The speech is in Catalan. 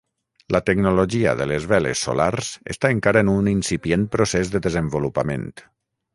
La tecnologia de les veles solars està encara en un incipient procés de desenvolupament.